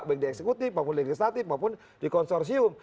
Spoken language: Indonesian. baik di eksekutif maupun legislatif maupun di konsorsium